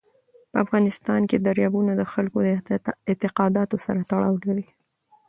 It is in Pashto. په افغانستان کې دریابونه د خلکو د اعتقاداتو سره تړاو لري.